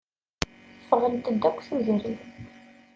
Ffɣent-d akk tudrin.